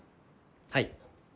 はい。